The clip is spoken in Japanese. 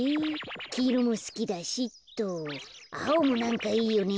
きいろもすきだしあおもなんかいいよね。